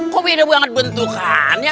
kok beda banget bentukannya